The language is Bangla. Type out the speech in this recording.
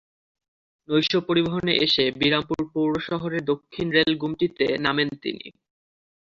নৈশ পরিবহনে এসে বিরামপুর পৌর শহরের দক্ষিণ রেল গুমটিতে নামেন তিনি।